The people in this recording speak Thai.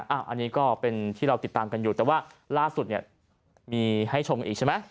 อันนี้ก็เป็นที่เราติดตามกันอยู่แต่ว่าล่าสุดเนี่ยมีให้ชมกันอีกใช่ไหม